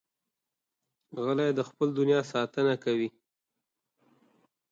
غلی، د خپلې دنیا ساتنه کوي.